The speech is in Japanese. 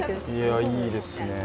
いやいいですね。